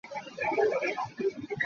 Laitlang ah sahnitzoh thiam an um ti maw?